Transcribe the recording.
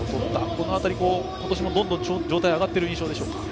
この辺り、今年もどんどん状態が上がっている印象でしょうか。